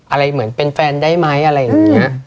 อะไรเหมือนเป็นแฟนได้ไหมอะไรอย่างนี้